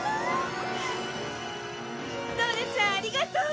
ドラちゃんありがとう。